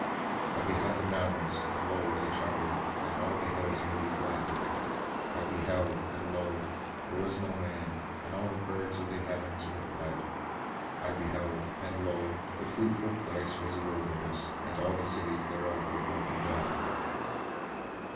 I beheld the mountains, and, lo, they trembled, and all the hills moved lightly. I beheld, and, lo, there was no man, and all the birds of the heavens were fled. I beheld, and, lo, the fruitful place was a wilderness, and all the cities thereof were broken down."